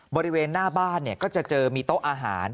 บริเวณหน้าบ้านก็จะเจอมีโต๊ะอาหาร